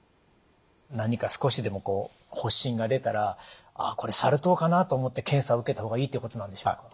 何か少しでも発疹が出たら「あっこれサル痘かな？」と思って検査を受けた方がいいということなんでしょうか？